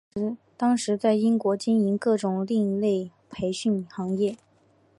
当时在英国经营各种另类培训行业。